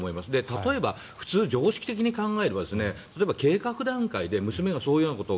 例えば普通常識的に考えれば例えば計画段階で娘がそういうこと